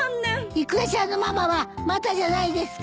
イクラちゃんのママはまだじゃないですか？